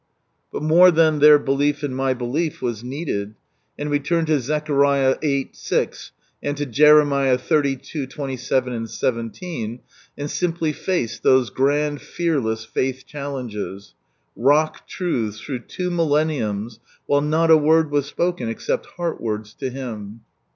But more than their belief in my belief was needed; and we turned to Zechariah viii. 6, and to Jeremiah xxxii, 27 and 17, and simply faced those grand fearless faith challenges — Rock truths through two millenniums, while not a word was spoken except heart words to Him.